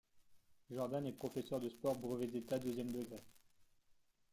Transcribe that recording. Jordane est professeur de Sport Brevet d'État deuxième degré.